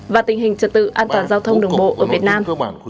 và tình hình trật tự an toàn giao thông đường bộ ở việt nam